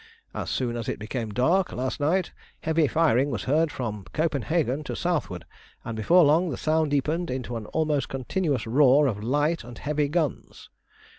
As soon as it became dark last night heavy firing was heard from Copenhagen to the southward, and before long the sound deepened into an almost continuous roar of light and heavy guns.